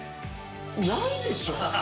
ないでしょ。